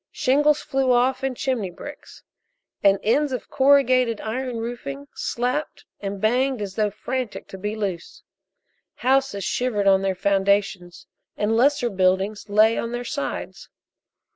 Shingles flew off and chimney bricks, and ends of corrugated iron roofing slapped and banged as though frantic to be loose. Houses shivered on their foundations, and lesser buildings lay on their sides.